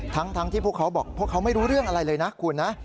ทั้งที่พวกเขาบอกพวกเขาไม่รู้เรื่องอะไรเลยนะคุณนะ